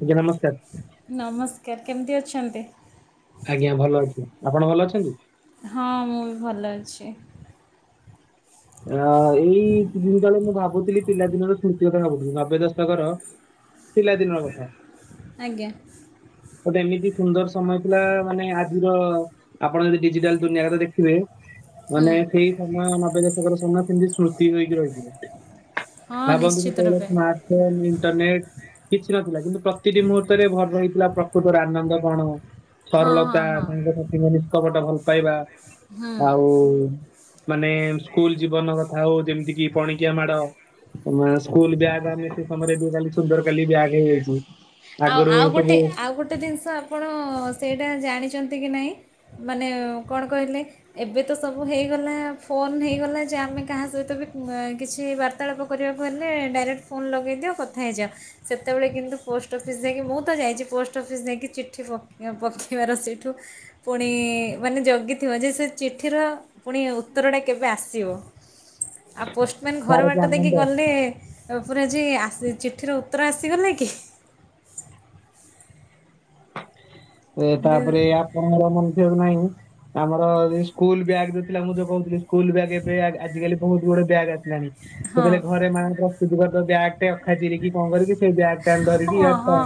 ଆଜ୍ଞା ନମସ୍କାର। ନମସ୍କାର କେମିତି ଅଛନ୍ତି? ଆଜ୍ଞା ଭଲଅଛି ଆପଣ ଭଲଅଛନ୍ତି? ହଁ ମୁଁବି ଭଲ ଅଛି। ଅ ଏଇ ଦି ଦିନ ତଳେ ମୁଁ ଭାବୁଥିଲି ପିଲାଦିନର ସ୍ମୃତି କଥା ଭାବୁଚି ନବେ ଦଶକର ପିଲାଦିନର କଥା। ଆଜ୍ଞା। ଗୋଟେ ଏମିତି ସୁନ୍ଦର ସମୟ ଥିଲା ମାନେ ଆଜିର ଆପଣ ଯଦି ଡିଜିଟାଲ ଦୁନିଆରେ ଦେଖିବେ ହୁଁ, ମାନେ ସେଇ ସମୟ ନବେ ଦଶକର ସମୟ ସେମିତି ସ୍ମୃତି ହେଇକି ରହିଥିବ। ହଁ ଭାବନ୍ତୁ ନିଶ୍ଚିତ ଯେତେବେଳେ ରୂପେ ସ୍ମାର୍ଟ ଫୋନ ଇଣ୍ଟରନେଟ। କିଛିନଥିଲା କିନ୍ତୁ ପ୍ରତିଟି ମୁହୂର୍ତ୍ତରେ ଭରି ରହିଥିଲା ପ୍ରକୃତର ଆନନ୍ଦକଣ? ହଁ ହଁ ସରଳତା ହଁ ସାଙ୍ଗସାଥିଙ୍କ ନିଷ୍କପଟ ଭଲ ପାଇବା ହୁଁ ଆଉ। ମାନେ ସ୍କୁଲ ଜୀବନ କଥା ହଉ, ଯେମିତିକି ପଣିକିଆ ମାଡ ମ ସ୍କୁଲ ବ୍ୟାଗ୍ ଆନି [unintelligible] ସେ ସମୟରେ [unintelligible] କାଲି ସୁନ୍ଦର କାଲି ବ୍ୟାଗ୍ ହେଇଯାଇଚି ଆଉ ଆଉ ଗୋଟେ ଆଉ ଗୋଟେ ଜିନିଷ ଆପଣ ସେଇଟା ଜାଣିଚନ୍ତି କି ନାଇଁ? ମାନେ କଣ କହିଲେ ଏବେ ତ ସବୁ ହେଇଗଲା ଫୋନ୍ ହେଇଗଲା ଯେ ଆମେ କାହା ସହିତ ବି କିଛି ବାର୍ ତ୍ତାଳାପ କରିବାକୁ ହେଲେ ଡାଇରେକ୍ଟ ଫୋନ୍ ଲଗେଇଦିଅ କଥା ହେଇଯାଅ। ସେତେବେଳେ କିନ୍ତୁ ପୋଷ୍ଟ ପୋଷ୍ଟ ଅଫିସ୍ ଯାଇକି ମୁଁ ତ ଯାଇଚି, ପୋଷ୍ଟ ଅଫିସ୍ ଯାଇକି ଚିଠି ପକ୍-ପକାଇବାର ସେଇଠୁ ପୁଣି ମାନେ ଜଗିଥିବ ଯେ ସେ ଚିଠିର ପୁଣି ଉତ୍ତରଟା କେବେ ଆସିବ? ଆଉ ପୋଷ୍ଟମ୍ୟାନ୍ ଘର ତାର କି ବାଟ ଦେଇକି ଆନନ୍ଦ ଗଲେ ପୁରା ଯେ ଆସ୍ ଚିଠିର ଉତ୍ତର ଆସିଗଲା କି? ଏ ତା ପରେ ଏୟା [unintelligible] ନାଇଁ। ଆମର ଯୋଉ ସ୍କୁଲ ବ୍ୟାଗ୍ ଯୋଉ ଥିଲା, ମୁଁ ଯୋଉ କହୁଥିଲି ସ୍କୁଲ ବ୍ୟାଗ୍ ଏବେ ଆଜିକାଲି ବହୁତ ଗୁଡେ ବ୍ୟାଗ୍ ଆସିଲାଣି। ହଁ ସେତେବେଳେ ଘରେ ମାଙ୍କର [unintelligible] ବ୍ୟାଗ୍। ସେ ଅଖା ଚିରିକି କଣ କରିକି ସେ ବ୍ୟାଗଟାକୁ ହଁ ହଁ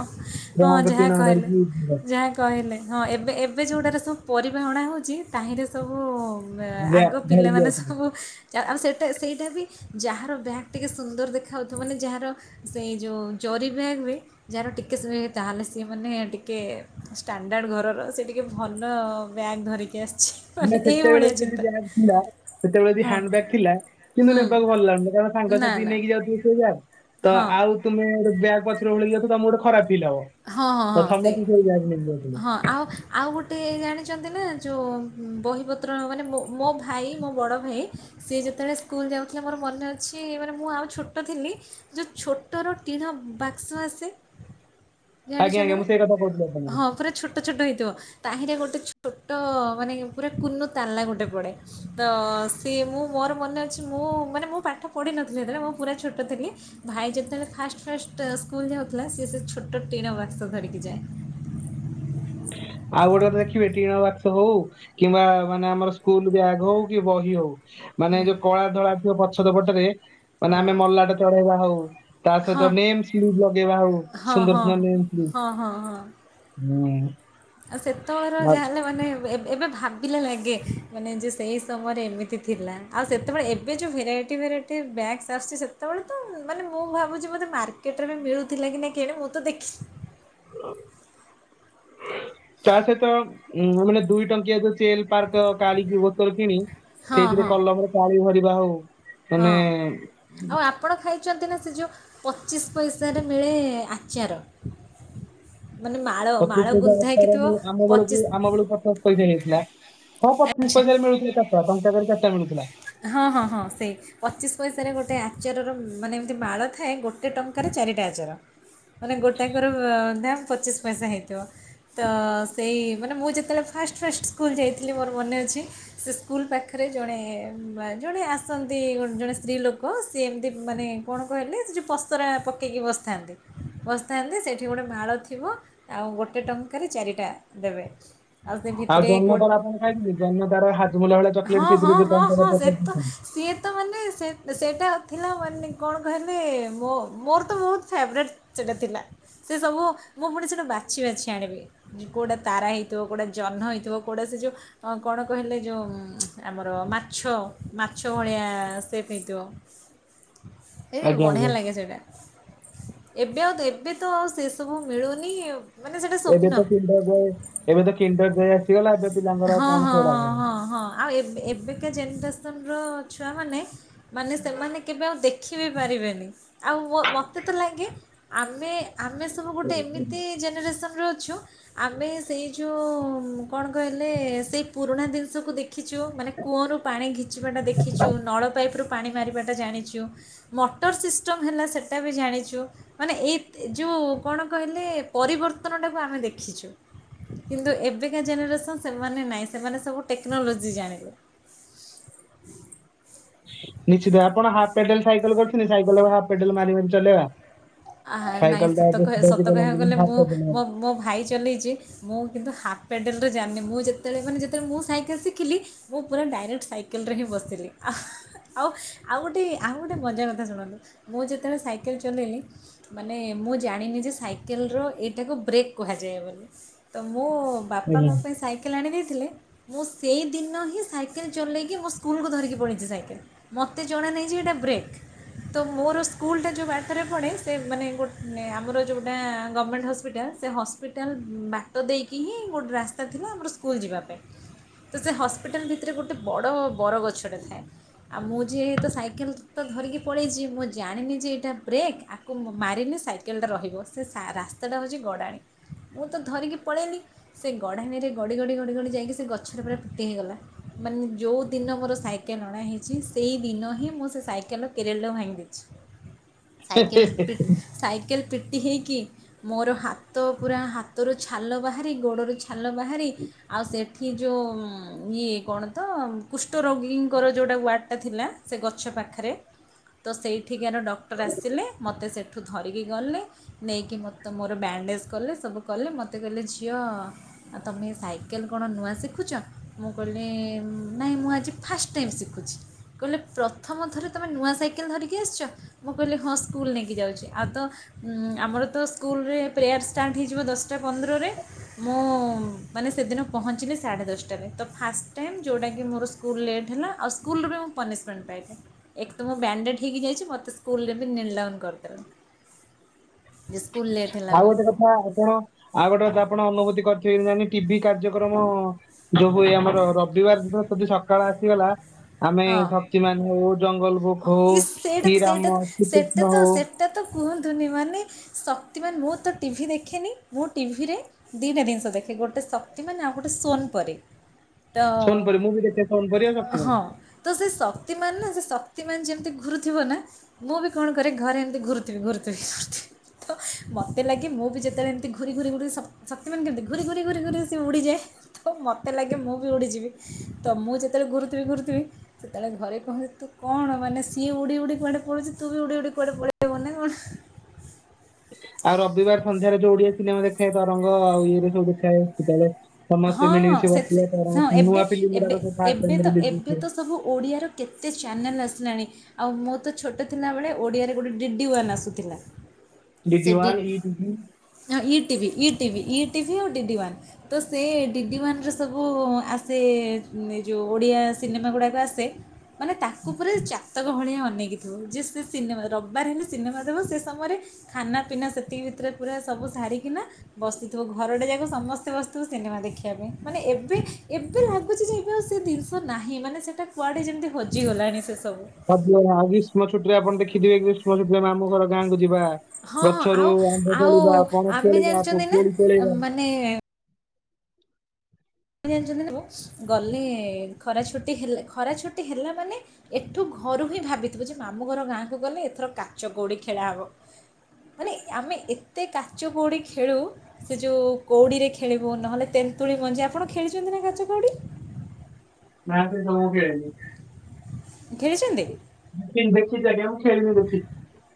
ହଁ [unintelligible] ଯାହା ଟିଣ କହିଲେ ଧରିକି ଯାହା କହିଲେ ହଁ ଏବେ ଏବେ ଯେଉଁଟାରେ ସବୁ ପରିବା ଅଣା ହଉଚି ତାହିଁରେ ସବୁ ବ୍ୟା- ଆଗ ଧରିକି ପିଲାମାନେ ଆସିଲେ ସବୁ ଯା-ଆର ସେଇଟା ସେଇଟା ବି ଯାହାର ବ୍ୟାଗ୍ ଟିକେ ସୁନ୍ଦର ଦେଖାଯାଉଥିବ ମାନେ ଯାହାର ସେଇ ଯୋଉ ଜରି ବ୍ୟାଗରେ ଯାହାର ଟିକେ [unintelligible] ହୁଏ ତା ହେଲେ ସିଏ ମାନେ ଟିକେ ଷ୍ଟାଣ୍ଡାର୍ଡ ଘରର ସେ ଟିକେ ଭଲ ବ୍ୟାଗ ଧରିକି ଆସ୍ଚି। ମୋ ସେତେବେଳେ ଯଦି ବ୍ୟାଗ ଥିଲା ସେତେବେଳେ ବି ହଁ ହ୍ୟାଣ୍ଡ ବ୍ୟାଗ୍ ଥିଲା କିନ୍ତୁ ହୁଁ ନେବାକୁ ଭଲ ଲାଗୁନଥିଲା। କାରଣ ସାଙ୍ଗ ନା ସାଥି ନା ନେଇକି ଯାଉଥିବେ ସେ ବ୍ୟାଗ। ତ ହଁ ଆଉ ତୁମେ ଗୋଟେ ବ୍ୟାଗ୍ ପଛରେ ଓହଲେଇ ଯାଉଥିବ ତମକୁ ଗୋଟେ ଖରାପ ଫିଲ୍ ହବ। ହଁ ହଁ ହଁ ଦଶମ ସେଇ ଯାକେ କିନ୍ତୁ ଏଇ ବ୍ୟାଗ ନେଇକି ଯାଉଥିଲୁ। ହଁ ଆଉ ଆଉ ଗୋଟେ ଜାଣିଚନ୍ତି ନା ଯୋଉ ବହିପତ୍ର ମାନେ ମୋ ମୋ ଭାଇ ମୋ ବଡ଼ ଭାଇ ସେ ଯେତେବେଳେ ସ୍କୁଲ ଯାଉଥିଲା ମୋର ମନେ ଅଛି ମାନେ ମୁଁ ଆଉ ଛୋଟ ଥିଲି। ଯୋଉ ଛୋ ଟର ଟିଣ ବାକ୍ସ୍ ଆସେ ଆଜ୍ଞା ଜାଣିଚନ୍ତି ଆଜ୍ଞା ନା। ମୁଁ ସେଇ କଥା କହୁଥିଲି ଆପଣଙ୍କୁ ହଁ, ପୁରା ଛୋଟ ଛୋଟ ହେଇଥିବ। ତାହିଁରେ ଗୋଟେ ଛୋଟ ମାନେ ପୁରା କୁନୁ ତାଲା ଗୋଟେ ପଡେ। ତ, ସେ ମୁଁ ମୋର ମନେ ଅଛି, ମୁଁ ମାନେ ମୁଁ ପାଠ ପଢ଼ିନଥିଲି ସେତେବେଳେ, ମୁଁ ପୁରା ଛୋଟ ଥିଲି ଭାଇ ଯେତେବେଳେ ଫାଷ୍ଟ ଫାଷ୍ଟ ସ୍କୁଲ ଯାଉଥିଲା, ସିଏ ସେ ଛୋଟ ଟିଣ ବାକ୍ସ ଧରିକି ଯାଏ। ଆଉ ଗୋଟେ କଥା ଦେଖିବେ ଟିଣ ବାକ୍ସ ହଉ କିମ୍ବା ମାନେ ଆମର ସ୍କୁଲ ବ୍ୟାଗ ହଉ କି ବହି ହଉ ମାନେ ଯୋଉ କଳା ଧଳା ଥିବ ପଛର ପଟରେ ମାନେ ହଁ ଆମେ ମଲାଟ ଚଢେଇବା ହଉ ତା ସହିତ ହଁ ନେମ୍ସ୍ ଲୁକ୍ ଲଗେଇବା ହଉ ହଁ ହଁ ସୁନ୍ଦର ନେମସ୍ ଲୁକ୍। ହଁ ହଁ ହଁ। ହୁଁ। ଆଉ ସେତେବେଳର ଯାହାହେଲେ ମାନେ ଏବେ ଏବେ ଭାବ୍ ବିଲେ ଲାଗେ ମାନେ ଯେ ସେଇ ସମୟରେ ଏମିତି ଥିଲା। ଆଉ ସେତେବେଳେ ଏବେ ଯୋଉ ଭେରାଇଟି ଭେରାଇ ଇଟି ବ୍ୟାଗ୍ ଆସ୍ଚି ସେତେବେଳେ ତ ମାନେ ମୁଁ ଭାବୁଚି ବୋଧେ ମାର୍କେଟରେ ମିଳୁଥିଲା କି ନାଇଁ କେଜାଣି ମୁଁ ତ ଦେଖି [inaudible] ତା ସହିତ ମାନେ ଦୁଇ ଟଙ୍କିଆ ଯୋଉ ଚେନ୍ ପାର୍କ କାଳିି ବୋତଲ କିଣି ହଁ ସେଇଥିରେ ହଁ କଲମରେ କାଳି ଭରିବା ହଉ। ହଁ, ମାନେ ଆଉ ଆପ୍ ଆପଣ ଖାଇଛନ୍ତି ନା ସେ ଯୋଉ ପଚିଶି ପଇସାରେ ମିଳେ ଆଚାର। ମାନେ ମାଳ [inaudible] ମାଳ ଗୁନ୍ଥା ହେଇକି ଥିବ ମୁଁ ଆମ ବେଳକୁ, ପଚିଶ ଆମ ବେଳକୁ [unintelligible] ପଇସା ନେଇଥିଲା ହଁ ପା ପିଶ୍ ଆଚ୍ଛା ପଇସାରେ ମିଳୁଥିଲା ଚାରିଟା ଟଙ୍କା କେରେ ଚାରିଟା ମିଳୁଥିଲା। ହଁ ହଁ ହଁ ସେଇ। ପଚିଶି ପଇସାରେ ଗୋଟେ ଆଚାରର ମାନେ ଏମିତି ମାଳ ଥାଏ ଗୋଟେ ଟଙ୍କାରେ ଚାରିଟା ଆଚାର। ମାନେ ଗୋଟାକର ଦାମ୍ ପଚିଶି ପଇସା ହେଇଥିବ, ତ ସେଇ ମାନେ ମୁଁ ଯେତେବେଳେ ଫାଷ୍ଟ ଫାଷ୍ଟ ସ୍କୁଲ୍ ଯାଇଥିଲି ମୋର ମନେ ଅଛି। ସେ ସ୍କୁଲ୍ ପାଖରେ ଜଣେ ଜଣେ ଆସନ୍ତି ଜଣେ ସ୍ତ୍ରୀ ଲୋକ ସିଏ ଏମିତି ମାନେ କଣ କହିଲେ ସେ ଯୋଉ ପସରା ପକ୍ ପକେଇକି ବସିଥାନ୍ତି, ବସିଥାନ୍ତି ସେଇଠି ଗୋଟେ ମାଳ ଥିବ। ଆଉ ଗୋଟେ ଟଙ୍କାରେ ଚାରିଟା ଦେବେ। ସେ ଆଉ ଜହ୍ନ ତାରା ଭିତରେ ଆପଣ ଖାଇଛନ୍ତି, ଜହ୍ନ ତାରା ହାଜମଲା ଭଳିଆ ହଁ ଚକଲେଟ ହଁ ସେଇଥିରେ ହଁ ହଁ ସେ ତ [inaudible] ସିଏ ତ ମାନେ ସେ ସେଇଟା ଥିଲା ମାନେ କଣ କହିଲେ ମୋ ମୋର ତ ବହୁତ ଫେବରେଟ୍। ସେଇଟା ଥିଲା ସେ ସବୁ ମୁଁ ପୁଣି ସେଟା ବାଛି ବାଛି ଆଣିବି। କୋଉଟା ତାରା ହେଇଥିବ, କୋଉଟା ଜହ୍ନ ହେଇଥିବ କୋଉଟା ସେ ଯୋଉ ଅଁ କଣ କହିଲେ ଯୋଉ ଆମର ମାଟ୍ ଛ, ମାଛ ଭଳିଆ ସେପ୍ ହେଇଥିବ। ଏଇ ଆଜ୍ଞା ବଢ଼ିଆ ଆଜ୍ଞା ଲାଗେ ସେଗୁଡା। ଏବେ ଆଉ ଏବେ ତ ଆଉ ସେ ସବୁ ମିଳୁନି ଆଉ। ଏବେ ତ କିଣ୍ଡର୍ ଯଏ ଏବେ ତ କିଣ୍ଡର୍ ଯଏ ଆସିଗଲା ଏବେ ପିଲାଙ୍କର ହଁ କଣ ହଁ ସେଗୁଡାକ ହଁ ହବ। ହଁ ହଁ ଆଉ ଏବେ ଏବେକା ଜେନେରେସନ୍ ର ଛୁଆମାନେ ମାନେ ସେମାନେ କେବେ ଆଉ ଦେଖ୍ ଦେଖି ବି ପାରିବେନି ଆଉ ମୋତେ ତ ଲାଗେ ଆମେ ଆମେ ସବୁ ଗୋଟେ ଏମିତି ଜେନେରେସନ୍ ରେ ଅଛୁ ଆମେ ସେଇ ଯୋଉ କଣ? କହିଲେ ସେଇ ପୁରୁଣା ଜିନିଷକୁ ଦେଖ୍ ଦେଖିଚୁ ମାନେ କୂଅରୁ ପାଣି ଘିଚିବା ଟା ଦେଖିଚୁ ନଳ ପାଇପିରୁ ପାଣି ମାରିବାଟା ଜାଣିଚୁ। ମଟର ସିଷ୍ଟମ୍ ହେଲା ସେଇଟା ବି ଜାଣିଚୁ। ମାନେ ଏଇ ଯୋଉ କଣ କହିଲେ ପରିବର୍ତ୍ତନ ଟାକୁ ଆମେ ଦେଖିଚୁ। କିନ୍ତୁ ଏବେକା ଜେନେରେସନ୍ ସେମାନେ ନହିଁ ସେମାନେ ସବୁ ଟେକ୍ନୋଲୋଜି ଜାଣିଲେ। ହୁଁ [unintelligible] [unintelligible] ନିଶ୍ଚିତ ଆପଣ ହାପ୍ ପେଡାଲ୍ ସାଇକେଲ କରିଥିଲେ, ସାଇକେଲ ହାପ୍ ପେଡାଲ ମାରି ମାରି ଚଲେଇବା। ଆ ନାହିଁ ସାଇକେଲ ଶତ କହି ଶତ କହିବାକୁ ଟା ଗଲେ ହାଫ ମୁଁ ପେଡାଲ ମୋ ମୋ ଭାଇ ଚଲେଇଚି। ମୁଁ କିନ୍ତୁ ହାପ୍ ପେଡ଼ାଲରେ ଜାନିନି ମୁଁ ଯେତେବେଳେ ମାନ ଯେତେବେଳେ ମୁଁ ସାଇକେଲ୍ ଶିଖିଲି ମୁଁ ପୁରା ଡାଇରେକ୍ଟ ସାଇକେଲ୍ ରେ ହିଁ ବସିିଲି। ଆଉ ଆଉ ଗୋଟେ ଆଉ ଗୋଟେ ମଜା କଥା ଶୁଣନ୍ତୁ ମୁଁ ଯେତେବେଳେ ସାଇକେଲ୍ ଚଳେଇଲି। ମାନେ ମୁଁ ଜାଣିନି ଯେ ସାଇକେଲର ଏଇଟାକୁ ବ୍ରେକ୍ କୁହାଯାଏ ବୋଲି, ତ ମୁଁ ବାପା ମୋ ଆଜ୍ଞା ପାଇଁ ସାଇକେଲ ଆଣିଦେଇଥିଲେ। ମୁଁ ସେଇଦିନ ହିଁ ସାଇକେଲ ଚଲେଇକି ମୋ ସ୍କୁଲକୁୁ ଧରିକି ପଳେଇଛି ସାଇକେଲ୍। ମୋତେ ଜଣା ନାହିଁ ଯେ ଏଇଟା ବ୍ରେକ୍, ତ ମୋର ସ୍କୁଲଟା ଯୋଉ ବାଟେରେ ପଡ଼େ ସେ ମାନେ ଗୋ ଆମର ଯୋଉଟା ଗମେଣ୍ଟ୍ ହସ୍ପିଟାଲ୍ ସେ ହସ୍ପିଟାଲ୍ ବା ଟ ଦେଇକି ହିଁ ଗୋଟେ ରାସ୍ତା ଥିଲା, ଆମର ସ୍କୁଲ ଯିବା ପାଇଁ ତ ସେ ହସ୍ପିଟାଲ ଭିତରେ ଗୋଟେ ବଡ଼ ବର ଗଛଟା ଥାଏ। ଆଉ ମୁଁ ଯେହେତୁ ସାଇକେଲ ତ ଧରିକି ପଳେଇଛି ମୁଁ ଜାଣିନି ଯେ ଏଇଟା ବ୍ରେକ୍ ଆ କୁ ମାରିଲି ସାଇକେଲଟା ରହିବ। ସେ ରାସ୍ତାଟା ହେଉଛି ଗଡ଼ାଣି ମୁଁ ତ ଧରିକି ପଳେଇଲି ସେ ଗଢ଼ାଣିରେ ଗଡ଼ି ଗଡ଼ି ଗଡ଼ି ଯାଇକି ସେ ଗଛରେ ପୁରା ପିଟି ହୋଇଗଲା ମାନେ ଯେଉଁଦିନ ମୋର ସାଇ ସାଇକେଲ୍ ଅଣାହେଇଛି ସେଇ ଦିନ ହିଁ ମୁଁ ସେ ସାଇକେଲ କେରିୟଲ ଭାଙ୍ଗିଦେଇଛି। [inaudible] ସାଇକେଲ ପିଟି ହେଇକି, ମୋର ହାତ ପୁରା ହାତରୁ ଛାଲ ବାହାରି ଗୋଡ଼ରୁ ଛାଲ ବାହାରି ଆଉ ସେଠି ଯୋଉଁ ଇଏ କଣ ତ କୁଷ୍ଠରୋଗୀଙ୍କର ଯେଉଁଟା ୱାର୍ଡ଼ଟା ଥିଲା। ସେ ଗଛ ପାଖରେ ତ ସେଇଠିକାର ଡକ୍ଟର ଆସିଲେ, ମୋତେ ସେଇଠୁ ଧରିକି ଗଲେ। ନେଇକି ମୋତେ ମୋର ବ୍ୟାଣ୍ଡେଜ୍ କଲେ, ସବୁ କଲେ ମୋତେ କହିଲେ ଝିଅ ଆଉ ତୁମେ ସାଇକେଲ କଣ ନୂଆ ଶିଖୁଛ? ମୁଁ କହିଲି ନାଇଁ ମୁଁ ଆଜି ଫାଷ୍ଟ ଟାଇମ୍ ଶିଖୁଛି। କହିଲେ ପ୍ରଥମ ଥରେ ତମେ ନୂଆ ସାଇକେଲ ଧରିକି ଆସିଛ। ମୁଁ କହିଲି ହଁ ସ୍କୁଲ୍ ନେଇକି ଯାଉଛି ଆଉ ତ ଆମର ତ ସ୍କୁଲରେ ପ୍ରେୟାର୍ ଷ୍ଟାର୍ଟ ହେଇଯିବ ଦଶଟା ପନ୍ଦରରେ। ମୁଁ ମାନେ ସେଦିନ ପହଞ୍ଚିଲି ସାଢ଼େ ଦଶଟାରେ। ତ ଫାଷ୍ଟ ଟାଇମ୍ ଯେଉଁଟାକି ମୋର ସ୍କୁଲ୍ ଲେଟ୍ ହେଲା। ଆଉ ସ୍କୁଲରେ ମୁଁ ପନିସମେଣ୍ଟ ପାଇ ଏକ୍ ତୋ ବ୍ୟାଣ୍ଡେଡ ହେଇକ ଯାଇଛି ମୋତେ ସ୍କୁଲରେ ବି ଲକ୍ କରି ଦେଲେ। ଆଉ ଗୋଟେ କଥା ଆପଣ ଆଉ ଗୋଟେ କଥା ଆପଣ ଅନୁଭୂତି କରିଥିବେ। ଟିଭି କାର୍ଯ୍ୟକ୍ରମ ଯୋଉ ହୁଏ ଆମର, ରବିବାର ଦିନ ଯଦି ସକାଳ ଆସିଗଲା ଆମେ ହଁ ଶକ୍ତିମାନ୍ ହଉ ଜଙ୍ଗଲବୁକ୍ ହଁ ହଉ ଇସ୍ କି ରାମ ଶ୍ରୀକୃଷ୍ଣ ହଉ ଏଟା ତ କୁହନ୍ତୁନି, ମାନେ ଶକ୍ତି ମାନ ମୁଁ ତ ଟିଭି ଦେଖେନି ମୁଁ ଟିଭିରେ ଦିଟା ଜିନିଷ ଦେଖେ, ଗୋଟେ ଶକ୍ତିମାନ୍ ଆଉ ଗୋଟେ ସୋନପରି ଛନପରି ମୁଁ ବି ଦେଖି ସୋନପରି ଆଉ ହଁ ଶକ୍ତିମାନ୍। ତ ସେ ଶକ୍ତିମାନ୍ ନା ସେ ଶକ୍ତିମାନ୍ ଯେମିତି ଘୁରୁଥିବ ନା ମୁଁ ବି କଣ କରେ, ଘରେ ଏମିତି ଘୁରୁଥିବି ଘୁରୁଥିବି ଘୁରୁଥିବି। ତ ମୋତେ ଲାଗେ ମୁଁ ବି ଯେତେବେଳେ ଏମିତି ଘୁରି ଘୁରି ଘୁରି ଶକ୍ତିମାନ୍ କେମିତି ଘୁରି ଘୁରି ଘୁରି ଘୁରି ସି ଉଡ଼ିଯାଏ। ତ ମୋତେ ଲାଗେ ମୁଁ ବି ଉଡ଼ିଯିବି। ତ ମୁଁ ଯେତେବେଳେ ଘୁରୁଥିବି ଘୁରୁଥିବି, ସେତେବେଳେ ଘରେ କୁହନ୍ତି ତୁ କଣ ମାନେ ସିଏ ଉଡ଼ି ଉଡ଼ି କୁଆଡେ ପଢୁଛି ତୁ ବି ଉଡ଼ି ଉଡ଼ି କୁଆଡେ ପଳେଇବୁ ନା କଣ। ଆଉ ରବିବାର ସନ୍ଧ୍ୟାରେ ଯୋଉ ଓଡିଆ ସିନେମା ଦେଖାଏ। ତରଙ୍ଗ ଆଉ ଇଏରେ ସବୁ ଦେଖାଏ, ସେତେବେଳେ ହଁ ସମସ୍ତେ ହଁ ମିଳିମିଶି ସେ ବସିବା ହଁ ତରଙ୍ଗ ଏବେ ନୂଆ ଫିଲ୍ମ ଏବେ ଗୁଡାକ ସବୁ ଫାଷ୍ଟ ଏବେ ଟାଇମ ତ ରିଲିଜ ଏବେ ହେଇଥାଏ ତ ସବୁ ଓଡ଼ିଆର। କେତେ ଚ୍ୟାନେଲ୍ ଆସିଲାଣି। ଆଉ ମୁଁତ ଛୋଟ ଥିଲାବେଳେ, ଓଡ଼ିଆରେ ଗୋଟେ ଡିଡିୱାନ୍ ଆସୁଥିଲା। ସେ ଡି ଡିଡିୱାନ ଇଟିଭି, ହଁ ଇଟିଭି ଇଟିଭି ଇଟିଭି ଓ ଡିଡିୱାନ୍। ସେ ଡିଡି ୱାନରେ ସବୁ ଆସେ, ଏ ଯେଉଁ ଓଡ଼ିଆ ସିନେମା ଗୁଡ଼ାକ ଆସେ। ମାନେ ତାକୁ ପୁରା ଚାତକ ଭଳିଆ ଅନେଇକି, ଯେ ସିଏ ସେ ସିନେମା ରବାର ହେଲେ ସିନେମା ଦେବ ସେ ସମୟରେ, ଖାନା ପିନା ସେତିକି ଭିତରେ ପୁରା ସବୁ ସାରିକିନା ବସିଥିବ। ଘରଟେ ଯାକ ସମସ୍ତେ ବସିି, ସିନେମା ଦେଖିବା ପାଇଁ। ମାନେ ଏବେ ଏବେ ଲାଗୁଛି ଯବେ ଆଉ ସେ ଜିନିଷ ନାହିଁ। ମାନେ ସେଟା, କୁଆଡ଼େ ଯେମିତି ହଜିଗଲାଣି ସେ ସବୁ, [unintelligible] ଆଉ ଗ୍ରୀଷ୍ମଛୁଟିରେ ଆପଣ ଦେଖିଥିବେ, ଗ୍ରୀଷ୍ମ ଛୁଟିରେ ମାମୁଁ ଘର ଗାଁକୁ ଯିବା। ହଁ ହଁ ଆଉ ଗଛରୁ ଆମ୍ବ ଆଉ ତୋଳିବା ପଣସ ଆମେ ତୋଳିବା ଜାଣିଛନ୍ତି ନା ପିଜୁଳି ତୋଳିବା, [unintelligible] ଜାଣିଛନ୍ତି ନା, ଗଲେ ଖରା ଛୁଟି ହେଲେ ଖରା ଛୁଟି ହେଲା ମାନେ, ଏଠୁ ଘରୁ ହିଁ ଭାବିଥିବୁ ଯେ, ମାମୁ ଘର ଗାଁକୁ ଗଲେ ଏଥର କାଚକଉଡି ଖେଳା ହବ। ମାନେ ଆମେ ଏତେ କାଚକଉଡ଼ି ଖେଳୁ ସେ ଯୋଉ କଉଡିରେ ଖେଳିବୁ। ନହେଲେ ତେନ୍ତୁଳି ମଞ୍ଜି, ଆପଣ ଖେଳିଛନ୍ତି ନା କାଚ କଉଡି? ନା ତ ଜମା ଖେଲିନି। ଖେଳିଛନ୍ତି? [unintelligible] ଦେଖିଚି ଆଜ୍ଞା ମୁଁ ଖେଳିନି ବେଶି।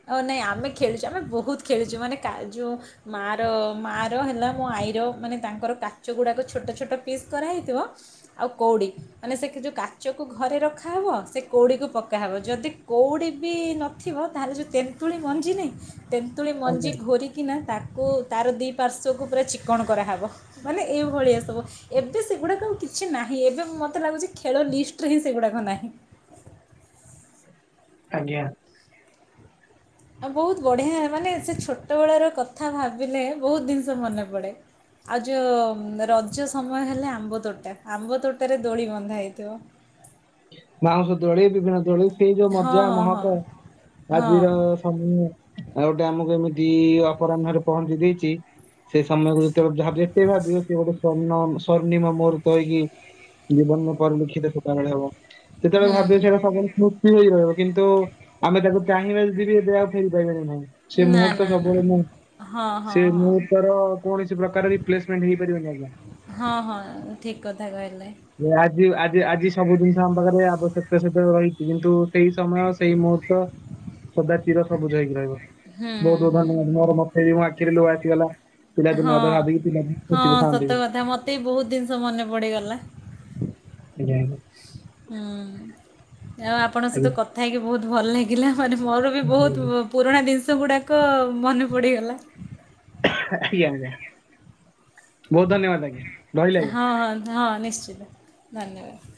ହଁ ନାଇଁ ଆମେ ଖେଳିଛୁ ଆମେ ବହୁତ ଖେଳିଛୁ ମାନେ କା ଯୋଉ ମାଆର ମାଆର ହେଲା ମୋ ଆଈର ମାନେ ତାଙ୍କର କାଚ ଗୁଡ଼ାକ ଛୋଟ ଛୋଟ ପିସ୍ କରାହେଇଥିବ ଆଉ କଉଡ଼ି ମାନେ ସେଠି ଯୋଉ କାଚକୁ ଘରେ ରଖାହେବ ସେ କଉଡ଼ିକୁ ପକାହେବ ଯଦି କଉଡ଼ି ବି ନଥିବ ତାହେଲେ ଯଉ ତେନ୍ତୁଳି ମଞ୍ଜି ନାହିଁ ତେନ୍ତୁଳି ମଞ୍ଜି ଆଜ୍ଞା ଘୋରିକ କିନା ତାକୁ ତାର ଦୁଇ ପାର୍ଶ୍ଵକୁ ପୁରା ଚିକଣ କରାହେବ ମାନେ ଏଇଭଳିଆ ସବୁ। ଏବେ ସେଗୁଡ଼ାକ ଆଉ କିଛି ନାହିଁ ଏବେ ମୋତେ ଲାଗୁଛି ଖେଳ ଲିଷ୍ଟରେ ହିଁ ସେଗୁଡ଼ାକ ନାହିଁ। ଆଜ୍ଞା। ଆଉ ବହୁତ ବଢ଼ିଆ ମାନେ ସେ ଛୋଟବେଳର କଥା ଭାବିଲେ ବହୁତ ଜିନିଷ ମନେ ପଡ଼େ। ଆଉ ଯଉ ରଜ ସମୟ ହେଲେ ଆମ୍ବ ତୋଟା ଆମ୍ବ ତୋଟାରେ ଦୋଳି ବନ୍ଧା ହେଇଥିବ। ବାଉଁଶ ଦୋଳି ବିଭିନ୍ନ ଦୋଳି ସେଇ ଯୋଉ ହଁ ମଜା ହଁ ହଁ ମହକ ହଁ ଆଜିର ସ [unintelligible] ଅପରାହ୍ନ ରେ ପହଞ୍ଚେ ଦେଇଛି ସେ ସମୟ [unintelligible] ସ୍ୱର୍ଣ୍ଣ ସ୍ୱର୍ଣୀମ ମୁହୂର୍ତ୍ତ ହେଇକି ଜୀବନରେ ପରିଲିକ୍ଷିତ ସେତେବେଳେ ହବ। କେତେବେଳେ ହୁଁ ଭାବିବ ସେଇଟା [unintelligible] ଠିକ୍। ତି ହେଇ ରହିବ କିନ୍ତୁ ଆମେ ତାକୁ ଚାହିଁବା ଯଦି ବି ଏବେ ଆଉ ଫେରି ପାରିବା ହିଁ ନାହିଁ। ସେ ନା ମୁହୂର୍ତ୍ତ ନା ନା ସବୁବେଳେ ମୁଁ ହଁ ହଁ ସେ ହଁ ମୁହୂର୍ତ୍ତର କୌଣସି ପ୍ରକାର ରିପ୍ଲେସମେଣ୍ଟ ହେଇପାରିବନି ଆଜ୍ଞା। ହଁ ହଁ ଠିକ୍ କଥା କହିଲେ। ଆଜି ଆଜି ଆଜି ସବୁ ଜିନି ସ ଆମ ପାଖରେ ଆବଶ୍ୟକତା ସହିତ ରହିଛି କିନ୍ତୁ ସେଇ ସମୟ ସେଇ ମୁହୂର୍ତ୍ତ ସଦା ଚିର ସବୁଜ ହେଇକି ରହିବ ହୁଁ ହୁଁ ବହୁତ ବହୁତ ହୁଁ ଧନ୍ୟବାଦ ମୋର ମତେ ବି ମୋ ଆଖିରେ ଲୁହ ଆସିଗଲା। ପିଲା ହଁ ଦିନ କଥା ଭାବିକି ପିଲା। [unintelligible] ଏ ବହୁତ ଜିନିଷ ମନେ ପଡ଼ିଗଲା। ଆଜ୍ଞା ହୁଁ ଆଉ ଆପଣଙ୍କ ସହିତ ଆଜ୍ଞା କଥା ହେଇକି ବହୁତ ଭଲ ଲାଗି ଗିଲା ମାନେ ମୋର ବି ଆଜ୍ଞା ବହୁତ ପୁରୁଣା ଜିନିଷ ଗୁଡ଼ାକ ମନେ ପଡ଼ିଗଲା। [unintelligible] ବହୁତ ଧନ୍ୟବାଦ ଆଜ୍ଞା। ରହିଲି ଆଜ୍ଞା ହଁ ହଁ ନିଶ୍ଚିତ ଧନ୍ୟବାଦ।